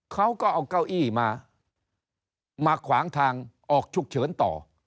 เขาก็เอาเก้าอี้มามาขวางทางออกฉุกเฉินต่อ